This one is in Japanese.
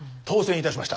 当選？